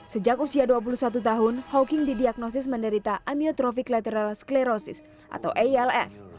sejak usia dua puluh satu tahun hawking didiagnosis menderita amiotropik letteral sclerosis atau als